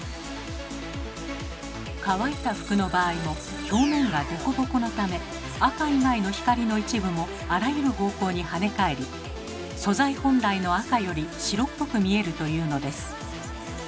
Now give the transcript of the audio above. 乾いた服の場合も表面がデコボコのため赤以外の光の一部もあらゆる方向にはね返り素材本来の赤より白っぽく見えるというのです。